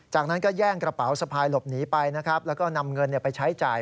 จากนั้นก็แย่งกระเป๋าสะพายหลบหนีไปนะครับแล้วก็นำเงินไปใช้จ่าย